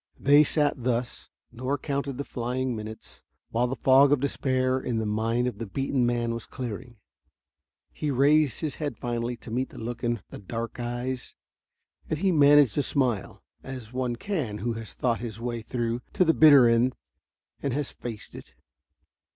They sat thus, nor counted the flying minutes, while the fog of despair in the mind of the beaten man was clearing. He raised his head finally to meet the look in the dark eyes. And he managed a smile, as one can who has thought his way through to the bitter end and has faced it.